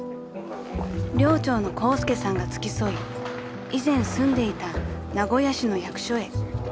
［寮長のコウスケさんが付き添い以前住んでいた名古屋市の役所へ］